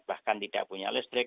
bahkan tidak punya listrik